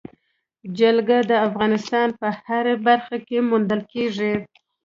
جلګه د افغانستان په هره برخه کې موندل کېږي.